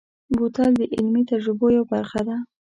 بوتل د علمي تجربو یوه برخه ده.